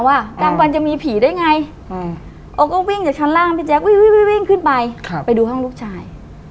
กลางวันจะมีผีได้ไงโอก็วิ่งจากชั้นล่างพี่แจ๊ควิ่งขึ้นไปไปดูห้องลูกชาย